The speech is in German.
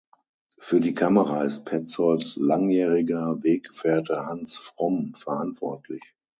Für die Kamera ist Petzolds langjähriger Weggefährte Hans Fromm verantwortlich.